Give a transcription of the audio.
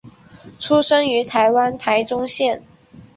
出生于台湾台中县。